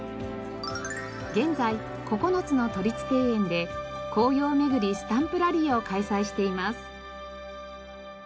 現在９つの都立庭園で「紅葉めぐりスタンプラリー」を開催しています。